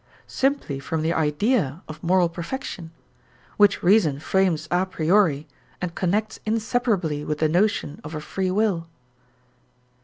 Simply from the idea of moral perfection, which reason frames a priori and connects inseparably with the notion of a free will.